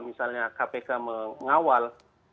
misalnya kpk mengawal